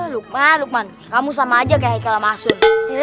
lukman lukman kamu sama aja kayak haikal masun